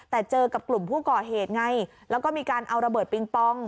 แต่เจอกับกลุ่มผู้ก่อเหตุไงแล้วก็มีการเอาระเบิดปิงปอง